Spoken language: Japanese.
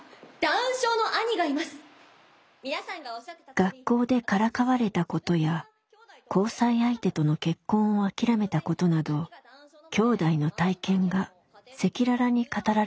学校でからかわれたことや交際相手との結婚を諦めたことなどきょうだいの体験が赤裸々に語られました。